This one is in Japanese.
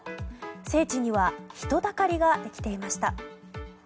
聖地には人だかりができていました。